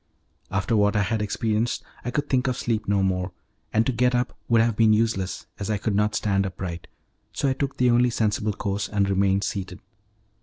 After what I had experienced, I could think of sleep no more, and to get up would have been useless as I could not stand upright, so I took the only sensible course and remained seated.